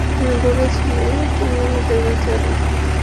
তুমি বলেছিলে তুমি আমাদের বাঁচাবে।